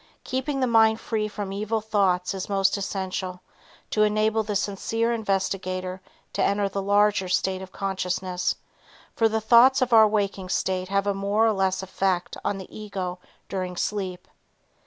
Keeping the mind free from evil thoughts is most essential to enable the sincere investigator to enter that larger state of consciousness, for the thoughts of our waking state have a more or less effect on the ego during sleep.